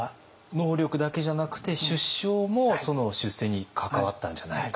能力だけじゃなくて出生も出世に関わったんじゃないか。